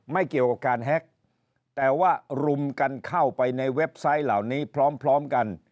ไม่เกี่ยวกับการแฮ็กแต่ว่ารุมกันเข้าไปในเว็บไซต์เหล่านี้พร้อมพร้อมกัน